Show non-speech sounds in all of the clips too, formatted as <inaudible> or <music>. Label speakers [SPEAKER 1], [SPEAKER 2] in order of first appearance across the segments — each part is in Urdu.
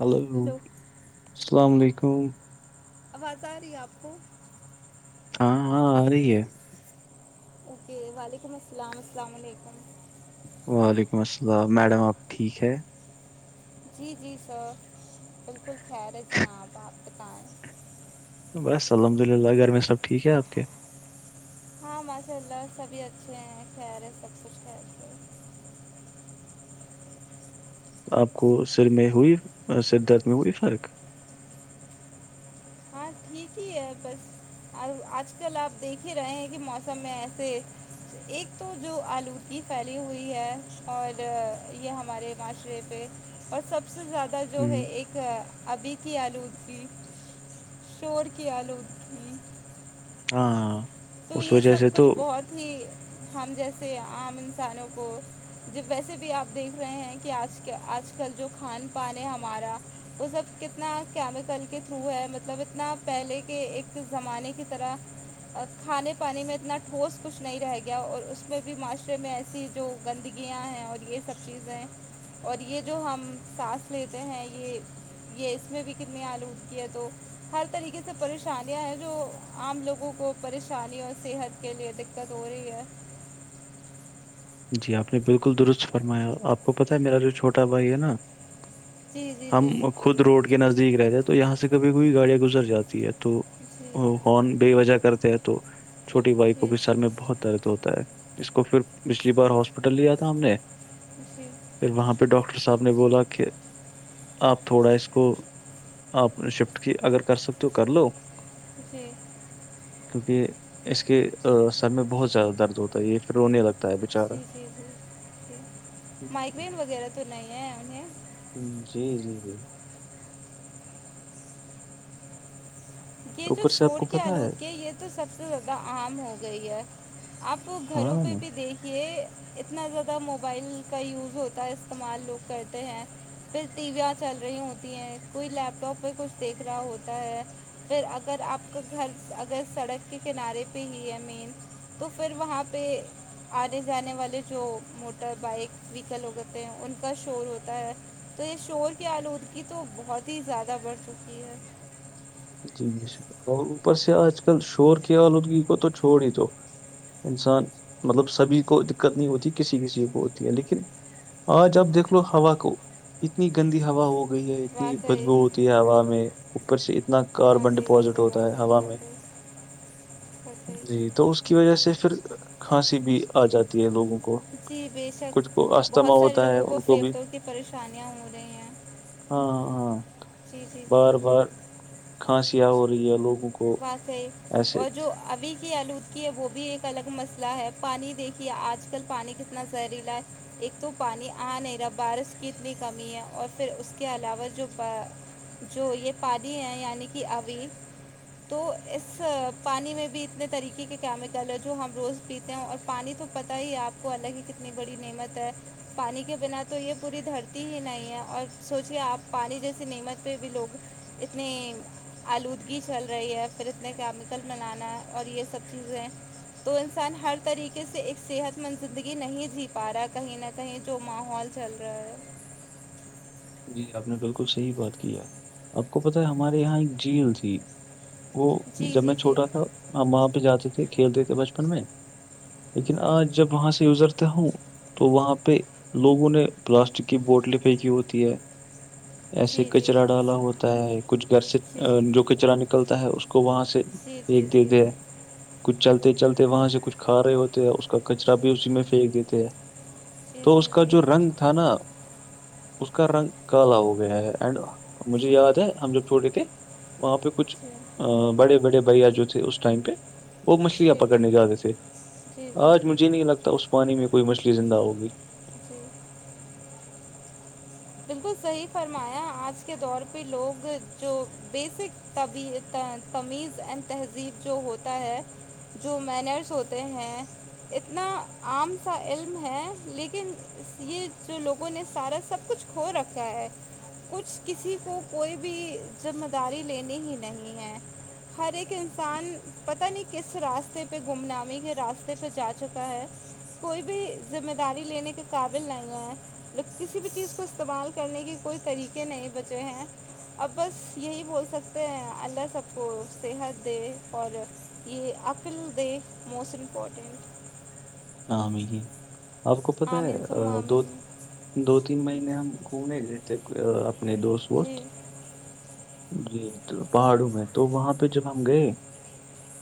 [SPEAKER 1] ہلو السلام علیکم
[SPEAKER 2] آواز آ رہی ہے آپ کو
[SPEAKER 1] ہاں ہاں آ ہے
[SPEAKER 2] جی وعلیکم السلام السلام علیکم
[SPEAKER 1] وعلیکم السلام میڈم آپ ٹھیک ہے
[SPEAKER 2] جی جی سر بالکل خیر ہے چنا
[SPEAKER 1] بس الحمد للہ گھر میں سب ٹھیک ہے آپ کے
[SPEAKER 2] ہاں ماشاء اللہ سبھی اچھے ہیں خیر ہے سب کچھ خیر ہے
[SPEAKER 1] آپ کو سر میں ہوئی سر درد میں ہوئی فرق
[SPEAKER 2] ہاں ٹھیک ہی ہے بس اور آج کل آپ دیکھ ہی رہے ہیں کہ موسم میں ایسے ایک تو جو آلودگی پھیلی ہوئی ہے اور یہ ہمارے معاشرے پہ اور سب سے زیادہ جو ہے
[SPEAKER 1] ہوں
[SPEAKER 2] ایک ابھی کی آلودی اسور کیا لو
[SPEAKER 1] ہاں
[SPEAKER 2] تو
[SPEAKER 1] اس
[SPEAKER 2] یہ
[SPEAKER 1] وجہ
[SPEAKER 2] سب
[SPEAKER 1] سے
[SPEAKER 2] کچھ
[SPEAKER 1] تو
[SPEAKER 2] بہت ہی ہم جیسے عام انسانوں کو جب ویسے بھی آپ دیکھ رہے ہیں کہ آج آج کل جو کھان پان ہے ہمارا وہ سب کتنا کیمیکل کے تھرو ہے مطلب اتنا پہلے کے ایک زمانے کی طرح کھانے پانے میں اتنا ٹھوس کچھ نہیں رہ گیا اور اس میں بھی معاشرے میں ایسی جو گندگیاں ہیں اور یہ سب چیزیں اور یہ جو ہم سانس لیتے ہیں یہ یہ اس میں بھی کتنی آلو اٹھتی ہے تو ہر طریقے سے پریشانیاں ہیں جو عام لوگوں کو پریشانی اور صحت کے لیے دقت ہو رہی ہے
[SPEAKER 1] جی آپ نے بالکل درست فرمایا آپ کو پتہ ہے میرا جو چھوٹا بھائی ہے نا
[SPEAKER 2] جی جی
[SPEAKER 1] ہم
[SPEAKER 2] جی
[SPEAKER 1] خود روڈ کے نزدیک رہتے ہیں تو یہاں سے کبھی کوئی گاڑیاں گزر جاتی ہے تو
[SPEAKER 2] جی
[SPEAKER 1] ا کون بے وجہ کرتے ہیں تو چھوٹی بھائی کو
[SPEAKER 2] جی
[SPEAKER 1] بھی سال میں بہت درد ہوتا ہے اس کو پھر پچھلی بار ہاسپٹل لیا تھا ہم نے
[SPEAKER 2] جی
[SPEAKER 1] پھر وہاں پہ ڈاکٹر صاحب نے بولا کہ آپ تھوڑا اس کو آپ نے شفٹ کی اگر کر سکتے ہو کر لو
[SPEAKER 2] جی
[SPEAKER 1] کیونکہ اس کے سر میں بہت زیادہ درد ہوتا ہے یہ پھر رونے لگتا ہے بیچارہ
[SPEAKER 2] جی جی جی مائکریین وغیرہ تو نہیں ہے انہیں
[SPEAKER 1] جی جی جی
[SPEAKER 2] یہ جو
[SPEAKER 1] اوپر سے آپ
[SPEAKER 2] شور
[SPEAKER 1] کو
[SPEAKER 2] کی
[SPEAKER 1] پتا ہے
[SPEAKER 2] آلودگی یہ تو سب سے زیادہ عام ہو گئی ہے آپ گھروں پہ
[SPEAKER 1] ہاں
[SPEAKER 2] بھی دیکھیے اتنا زیادہ موبائل کا یوز ہوتا ہے استعمال لوگ کرتے ہیں پھر ٹی ویاں چل رہی ہوتی ہیں کوئی لیپ ٹاپ پہ کچھ دیکھ رہا ہوتا ہے پھر اگر آپ کا گھر اگر سڑک کے کنارے پہ ہی ہے مین تو پھر وہاں پہ آنے جانے والے جو موٹر بائک ویکل ہو کرتے ہیں ان کا شور ہوتا ہے تو یہ شور کی آلودگی تو بہت ہی زیادہ بڑھ چکی ہے
[SPEAKER 1] جی بش اور اوپر سے آج کل شور کی آلودگی کو تو چھوڑ ہی تو انسان مطلب سبھی کو دقت نہیں ہوتی کسی کسی کو ہوتی ہے لیکن آج اب دیکھ لو ہوا کو اتنی گندی ہوا ہو ہو گئی ہے اتنی
[SPEAKER 2] واقعی
[SPEAKER 1] بدبو ہوتی ہے ہوا میں اوپر سے اتنا کاربن
[SPEAKER 2] واقعی
[SPEAKER 1] ڈپوزٹ
[SPEAKER 2] واقعی
[SPEAKER 1] ہوتا ہے
[SPEAKER 2] واقعی
[SPEAKER 1] ہوا میں <inaudible>
[SPEAKER 2] واقعی واقعی
[SPEAKER 1] جی تو اس کی وجہ سے پھر کھانسی بھی آ جاتی ہے لوگوں کو
[SPEAKER 2] جی بےشک
[SPEAKER 1] کچھ کو استھما
[SPEAKER 2] بہت سارے
[SPEAKER 1] ہوتا ہے
[SPEAKER 2] لوگوں کو
[SPEAKER 1] ان
[SPEAKER 2] پھی
[SPEAKER 1] بھی
[SPEAKER 2] کر کی پریشانیاں ہو رہی ہیں
[SPEAKER 1] ہاں ہاں ہاں
[SPEAKER 2] جی جی جی
[SPEAKER 1] بار بار کھانسییاں ہو رہی ہے لوگوں کو
[SPEAKER 2] پاس ہے
[SPEAKER 1] ایسے
[SPEAKER 2] اور جو ابھی کی آلودگی ہے وہ بھی ایک الگ مسئلہ ہے پانی دیکھیے آج کل پانی کتنا زہریلا ہے ایک تو پانی آ نہیں رہا بارش کی اتنی کمی ہے اور پھر اس کے علاوہ جو جو یہ پادی ہیں یعنی کہ ابھی تو اس پانی میں بھی اتنے طریقے کے کیمیکل ہے جو ہم روز پیتے ہیں اور پانی تو پت ہی آپ کو الگ ہی کتنی بڑی نعمت ہے پانی کے بنا تو یہ پوری دھرتی ہی نہیں ہے اور سوچے آپ پانی جیسیے نعمت پہ بھی لوگ اتنی آلودگی چل رہ رہی ہے پھر اتنے کیمیکل بنانا ہے اور یہ سب چیزیں تو انسان ہر طریقے سے ایک صحت مند زندگی نہیں جی پا رہا کہیں نہ کہیں جو ماحول چل رہا ہے
[SPEAKER 1] جی آپ نے بالکل صحیح بات کی ہے آپ کو پت ہے ہمارے یہاں ایک جھیل تھی وہ
[SPEAKER 2] جی
[SPEAKER 1] جب میں
[SPEAKER 2] جی جی
[SPEAKER 1] چھوٹا تھا ہم وہاں پہ جاتے تھے کھیلتے تھے بچپن میں
[SPEAKER 2] جی
[SPEAKER 1] لیکن آج جب وہاں سے یوزرتے ہوں تو وہاں پہ لوگوں نے پلاسٹک کی بوٹلیں پھینکی ہو ہے ایسے
[SPEAKER 2] جی
[SPEAKER 1] کچرا ڈالا
[SPEAKER 2] جی
[SPEAKER 1] ہوتا ہے کچھ گھر سے جو کچرا ن نکلتا ہے اس کو وہاں سے
[SPEAKER 2] جی جی جی
[SPEAKER 1] د دیکھ
[SPEAKER 2] جی
[SPEAKER 1] د کچھ چلتے چلتے وہاں سے کچھ کھا رہے ہوتے ہیں اس کا کچرا بھی اسی میں پھینک دیتے ہیں
[SPEAKER 2] جی
[SPEAKER 1] تو اس
[SPEAKER 2] جی
[SPEAKER 1] کا
[SPEAKER 2] جی
[SPEAKER 1] جو رنگ تھا نا اس کا رنگ کالا
[SPEAKER 2] جی
[SPEAKER 1] ہو گیا ہے اینڈ مجھے
[SPEAKER 2] جی
[SPEAKER 1] یاد ہے ہم جب چھوٹے تھے وہاں پہ کچھ
[SPEAKER 2] جی
[SPEAKER 1] بڑے بڑے بھیا جو تھے اس ٹائم پہ وہ مچھلییاں
[SPEAKER 2] جی
[SPEAKER 1] پکڑنے جا رہے تھے
[SPEAKER 2] جی
[SPEAKER 1] آج
[SPEAKER 2] جی
[SPEAKER 1] مجھ نہیں لگتا اس پانی میں کوئی مچھلی زندہ ہوگی
[SPEAKER 2] ج بالکل صحیح فرمایا آج کے دور پہ لوگ جو بیسک طبی تمیز اینڈ تہذیب جو ہوتا ہے جو مینرس ہوتے ہیں اتنا عام سا علم ہے لیکن یہ جو لوگوں نے سارا سب کچھ کھو رکھا ہے کچھ کسی کو کوئی بھی ذمہ داری لینی ہی نہیں ہے ہر ایک انسان پتاہ نہیں کس راستے پہ گمنامی کے راستے پہ جا چکا ہے کوئی بھی ذمہ داری لینے کے قابل نہیں ہے ل کسی بھی چیز کو استعمال کرنے کے کوئی طریقے نہیں بچے ہیں اب بس یہی بول سکتے ہیں اللہ سب کو صحت دے اور یہ اپپل د موسٹ امپارٹنٹ
[SPEAKER 1] ہ میکی آپ کو پت ہے
[SPEAKER 2] آمین ثم
[SPEAKER 1] دو
[SPEAKER 2] آمین
[SPEAKER 1] دو تین مہینے ہم گھومنے گئے تھے اپنے دوست وست
[SPEAKER 2] جی
[SPEAKER 1] جی تو پہاڑوں میں تو وہاں پہ جب ہم گئے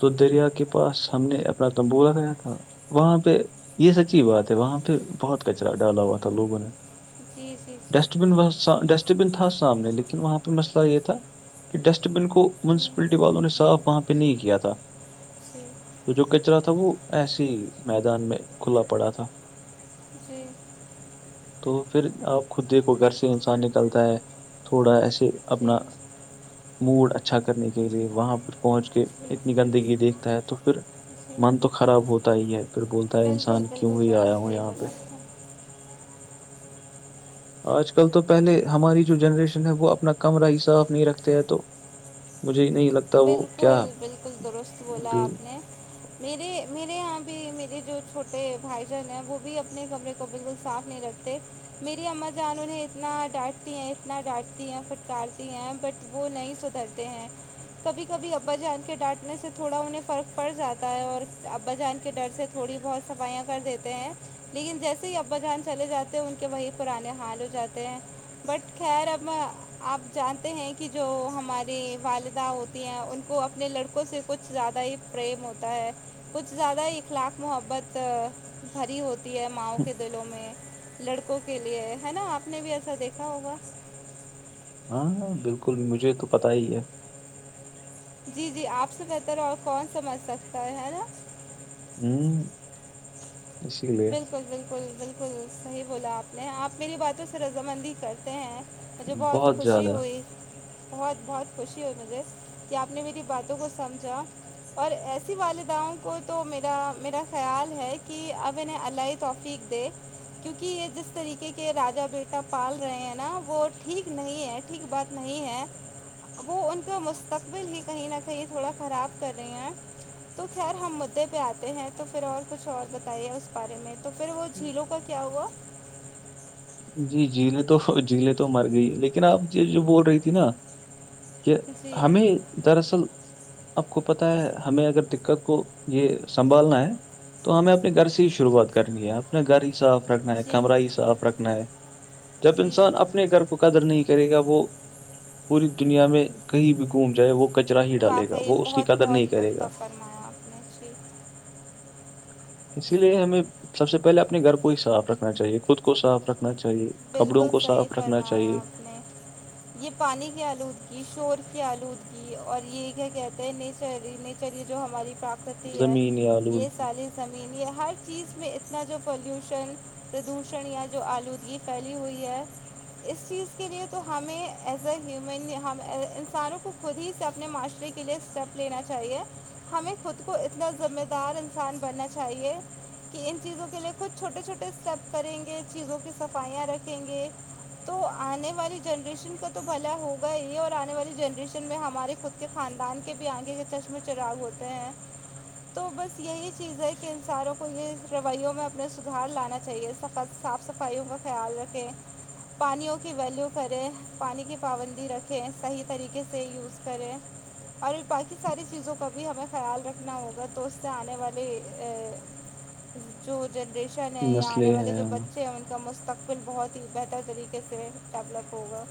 [SPEAKER 1] تو دریا کے پاس ہم نے اپنا تمبو لگایا تھا وہاں پہ یہ سچی بات ہے وہاں پہ بہت کچرا ڈالا ہوا تھا لوگوں نے
[SPEAKER 2] جی جی جی
[SPEAKER 1] ڈسٹبن وہ ڈسٹ بن تھا سامنے لیکن وہاں پہ مسئلہ یہ تھا کہ ڈسٹ بن کو
[SPEAKER 2] جی
[SPEAKER 1] میونسپلٹی والوں نے صاف وہاں پہ نہیں کیا تھا
[SPEAKER 2] جی
[SPEAKER 1] تو جو کچرا تھا وہ ایسے ہی میدان میں کھلا پڑا تھا
[SPEAKER 2] جیھ
[SPEAKER 1] تو پھر آپ خود دیکھو گھر سے انسان نکلتا ہے تھوڑا ایسے سے اپنا موڈ اچھا کرنے کے لیے وہاں پر پہنچ کے
[SPEAKER 2] جی
[SPEAKER 1] اتنی
[SPEAKER 2] جی
[SPEAKER 1] گندگی دیکھتا ہے تو پھر
[SPEAKER 2] جی
[SPEAKER 1] من تو خراب ہوتا ہی ہے پھر بولتا ہے
[SPEAKER 2] بالکل
[SPEAKER 1] انسان کیوں
[SPEAKER 2] بالکل
[SPEAKER 1] ہی
[SPEAKER 2] بالکل
[SPEAKER 1] آیا ہوں
[SPEAKER 2] صحیح
[SPEAKER 1] یہاں پہ
[SPEAKER 2] بولا آپ نے
[SPEAKER 1] آج کل تو پہلے ہماری جو جنریشن ہے وہ اپنا کمرہ ہی صاف نہیں رکھتے ہے تو مجھے ہی نہیں لگتا وہ کیا
[SPEAKER 2] بالکل بالکل درست بولا
[SPEAKER 1] بھی
[SPEAKER 2] آپ نے میرے میرے یہاں بھی میرے جو چھوٹے بھائی جان ہیں وہ بھی اپنے کمرے کو بالکل صاف نہیں رکھتے میری اما جان انہیں اتنا ڈانٹتی ہیں اتنا ڈانٹتی ہیں پھٹکارتی ہیں بٹ وہ نہیں سدھرتے ہیں کبھی کبھی ابا جان کے ڈانٹنے سے تھوڑا انہیں فرق پڑ جاتا ہے اور ابا جان کے ڈر سے تھوڑی بہت صفائیاں کر دیتے ہیں لیکن جیسے ہی ابا جان چلے جاتے ہیں ان کے وہی پرانے حال ہو جاتے ہیں بٹ خیر اب آپ جانتے ہیں کہ جو ہماری والدہ ہوتی ہیں ان کو اپنے لڑکوں سے کچھ زیادہ ہی پریم ہوتا ہے کچھ زیادہ اخلاق محبت بھری ہوتی ہے ماؤں کے دلوں میں لڑکوں کے لیے ہے نا آپ نے بھی ایسا دیکھا ہوگا
[SPEAKER 1] ہاں بالکل مجھے تو پتا ہی ہے
[SPEAKER 2] جی جی آپ سے بہتر اور کون سمجھ سکتا ہے ہے نا
[SPEAKER 1] ہوں اسی لیے
[SPEAKER 2] بالکل بالکل بالکل صحیح بولا آپ نے آپ میری باتوں سے رضامندی کرتے ہیں مجھے بہت خوشی ہوئی بہت بہت خوشی ہو مجھے کہ آپ نے میری باتوں کو سمجھا اور ایسی والدہؤں کو تو میرا میرا خیال ہے کہ اب نے اللہائی توفیق دے کیونکہ یہ جس طریقے کے راجا بیٹا پال رہے ہیں نا وہ ٹھیک نہیں ہے ٹھیک بات نہیں ہے وہ ان کا مستقبل ہی کہیں نہ کہیں تھوڑا خراب کر رہی ہیں تو خیر ہم مدعے پہ آتے ہیں تو پھر اور کچھ اور بتائیے اس بارے میں تو پھر وہ جھیلوں کا کیا ہوا
[SPEAKER 1] جی جیلیں تو جھیلیں تو مر گئی لیکن آپ یہ جو بول رہی تھی نا کہ
[SPEAKER 2] جی
[SPEAKER 1] ہمیں دراصل آپ کو پتہ ہے ہمیں اگر دقت کو یہ سنبھالنا ہے تو ہمیں اپنے گھر سے ہی شروعات کرنی ہے اپنے گھر ہی صاف رکھنا ہے
[SPEAKER 2] جی
[SPEAKER 1] کمرہ ہی صاف رکھنا ہے جب
[SPEAKER 2] جی
[SPEAKER 1] انسان اپنے گھر کو قدر نہیں کرے گا وہ پوری دنیا میں کہیں بھی گھوم جائے وہ کچرا ہی ڈالے گا
[SPEAKER 2] واقعی
[SPEAKER 1] وہ اس کی
[SPEAKER 2] بہت
[SPEAKER 1] قدر نہیں
[SPEAKER 2] بہت
[SPEAKER 1] کرے
[SPEAKER 2] پختہ
[SPEAKER 1] گا
[SPEAKER 2] فرمایا آپ نے جی
[SPEAKER 1] اسی لیے ہمیں سب سے پہلے اپنے گھر کو ہی صاف رکھنا چاہیے خود کو صاف رکھنا چاہیے کپبڑوں
[SPEAKER 2] بالکل
[SPEAKER 1] کو
[SPEAKER 2] صحیح
[SPEAKER 1] صاف رکھنا
[SPEAKER 2] فرمایا
[SPEAKER 1] چاہیے
[SPEAKER 2] آپ نے یہ پانی کی آلود یہ شور کی آلود اور یہ کیا کہتے ہیں نیچر نیچر یہ جو ہماری پراکرتی ہے
[SPEAKER 1] زمینی
[SPEAKER 2] یہ
[SPEAKER 1] آلودگی
[SPEAKER 2] ساری زمین یہ ہر چیز میں اتنا جو پالوشن پردوشن یا جو آلودگی پھیلی ہوئی ہے اس چیز کے لیے تو ہمیں ایز اے ہیومن ہم انسانوں کو خود ہی اپنے ماسٹری کے لیے اسٹیپ لینا چاہیے ہمیں خود کو اتنا ذمہ دار انسان بننا چاہیے کہ ان چیزوں کے لیے کچھ چھوٹے چھوٹے اسٹیپ کریں گے چیزوں کی صفائیاں رکھیں گے تو آنے والی جنریشن کا تو بھلا ہوگا ہی اور آنے والی جنریشن میں ہمارے خ اس کے خاندان کے پ آنگے کے چشمے چراغ ہوتے ہیں تو بس یہی چیز ہے کہ انسانوں کو یہ رویوں میں اپنا سدھار لانا چاہیے سخت صاف صفائیوں کا خیال رکھے پانیوں کی ویلیو کریں پانی کی پابندی رکھیں صحیح طریقے سے یوز کریں اور باقی ساری چیزوں کا بھی ہمیں خیال رکھنا ہوگا تو اس سے آنے والے جو جنریشن ہے یا آنے والے جو بچے ہیں ان کا مستقبل پن بہت ہی بہتر طریقے سے ڈیولپ ہوگا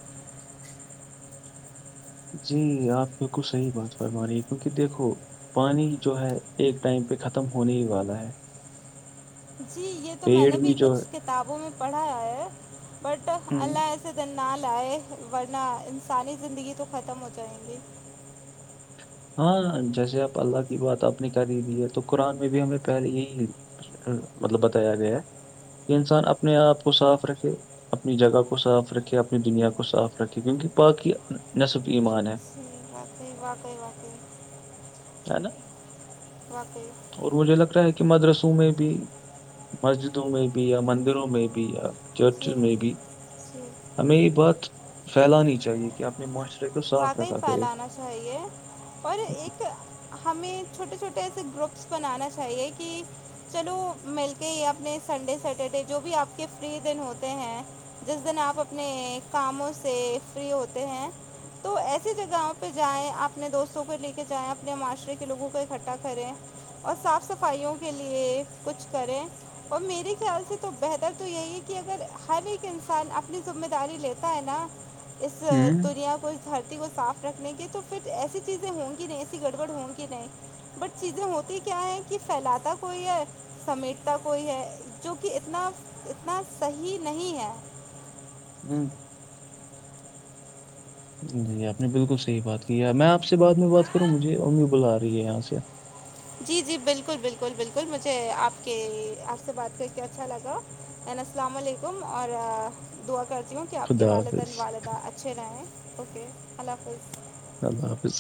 [SPEAKER 1] جی آپ بالکل صحیح بات فرما رہی ہیں کیونکہ دیکھو پانی جو ہے ایک ٹائم پہ ختم ہونے ہی والا ہے
[SPEAKER 2] جی یہ تو میں
[SPEAKER 1] پیڑ
[SPEAKER 2] نے بھی
[SPEAKER 1] جو
[SPEAKER 2] کچھ
[SPEAKER 1] ہے
[SPEAKER 2] کتابوں میں پڑھا ہے بٹ
[SPEAKER 1] ہم،
[SPEAKER 2] اللہ سے دن نہ لائے ورنہ انسانی زندگی تو ختم ہو جائ گی
[SPEAKER 1] ہاں جیسے آپ اللہ کی بات آپ نے کر ہی دی ہے تو قرآن میں بھی ہمیں پہلے یہی مطلب بتایا گیا ہے کہ انسان اپنے آپ کو صاف رکھے اپنی جگہ کو صاف رکھے اپنی دنیا کو صاف رکھے کیونکہ پاک ہی نصف ایمان ہے
[SPEAKER 2] بس باقئی بق
[SPEAKER 1] ہے نا
[SPEAKER 2] بقی
[SPEAKER 1] اور مجھے لگ رہا ہے کہ مدرسوں میں بھی مسجدوں میں بھی یا مندروں میں بھی یا چرچ
[SPEAKER 2] جی
[SPEAKER 1] میں بھی
[SPEAKER 2] جی
[SPEAKER 1] ہمیں یہ بات پھیلانی چاہیے کہ آنے معاشرے کو صاف
[SPEAKER 2] واقعی
[SPEAKER 1] رکھا کرے
[SPEAKER 2] پھیلانا چاہیے اور ایک ہمیں چھوٹے چھوٹے ایسے گروپس بنانا چاہیے کہ چلو مل کے یہ اپنے سنڈے سیٹرڈے جو بھی آپ کے فری دن ہوتے ہیں جس دن آپ اپنے کاموں سے فری ہوتے ہیں تو ایسی جگہوں پہ جائیں اپنے دوستوں کو لے کے جائیں اپنے معاشرے کے لوگوں کو اکٹھا کریں اور صاف صفائیوں کے لیے کچھ کریں اور میرے خیال سے تو بہتر تو یہی ہے کہ اگر ہر ایک انسان اپنی ذمہ داری لیتا ہے نا اس
[SPEAKER 1] ہوں
[SPEAKER 2] دنیا کو دھرتی کو صاف رکھنے کی تو پھر ایسی چیزیں ہوں گی نہیں ایسی گڑبڑ ہوں گی نہیں بٹ چیزیں ہوتی کیا ہیں کہ پھیلاتا کوئی ہے سمیٹتا کوئی ہے جو کہ اتنا اتنا صحیح نہیں ہے
[SPEAKER 1] ہوں جی آپ نے بالکل صحیح بات کی ہے میں آپ سے بعد میں بات کروں مجھے امی بلا آ رہی ہے یہاں سے
[SPEAKER 2] جی جی بالکل بالکل بالکل مجھے آپ کے آپ سے بات کر کے اچھا لگا السلام علیکم اور دعا کرتی ہوں کہ آپ کے
[SPEAKER 1] خدا
[SPEAKER 2] والدین
[SPEAKER 1] حافظ
[SPEAKER 2] والدہ اچھے رہیں اوکے اللہ حافظ
[SPEAKER 1] اللہ حافظ